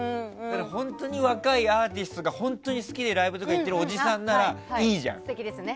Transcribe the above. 本当に若いアーティストが本当に好きでライブとか行っているおじさんならいいじゃん。